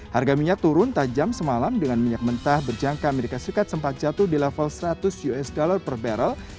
harga minyak turun tajam semalam dengan minyak mentah berjangka amerika serikat sempat jatuh di level seratus usd per barrel